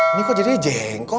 ini kok jadinya jengkol